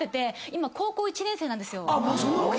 今高校１年生なんですよ。